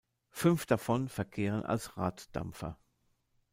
Fünf davon verkehren als Raddampfer.